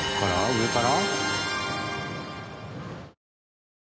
上から？